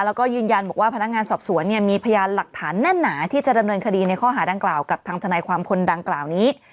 แล้วก็ยืนยันบอกว่าพนักงานสอบสวนเนี่ยมีพยานหลักฐานแน่นหนาที่จะดำเนินคดีในข้อหาดังกล่าวกับทางทนายความคนดังกล่าวนี้